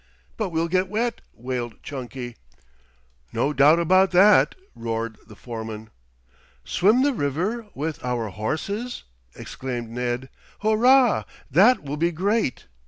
"But we'll get wet," wailed Chunky. "No doubt about that," roared the foreman. "Swim the river with our horses?" exclaimed Ned. "Hurrah! That will be great!"